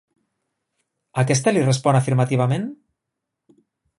Aquesta li respon afirmativament?